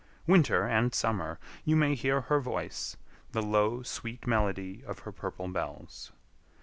Winter and summer, you may hear her voice, the low, sweet melody of her purple bells.